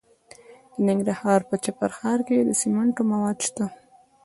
د ننګرهار په چپرهار کې د سمنټو مواد شته.